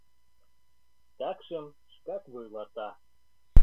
Такшым шкак вуйлата».